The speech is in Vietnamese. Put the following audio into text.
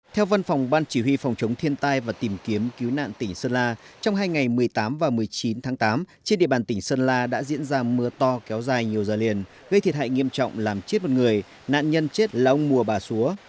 theo văn phòng ban chỉ huy phòng chống thiên tai và tìm kiếm cứu nạn tỉnh sơn la trong hai ngày một mươi tám và một mươi chín tháng tám trên địa bàn tỉnh sơn la đã diễn ra mưa to kéo dài nhiều giờ liền gây thiệt hại nghiêm trọng làm chết một người nạn nhân chết là ông mùa bà xúa